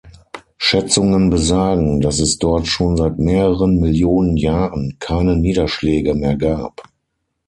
Schätzungen besagen, dass es dort schon seit mehreren Millionen Jahren keine Niederschläge mehr gab.